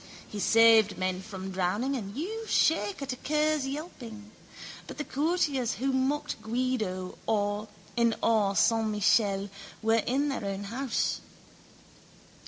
He saved men from drowning and you shake at a cur's yelping. But the courtiers who mocked Guido in Or san Michele were in their own house.